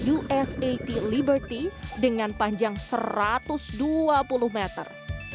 usat liberty dengan panjang satu ratus dua puluh meter